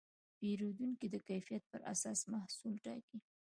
پیرودونکي د کیفیت پر اساس محصول ټاکي.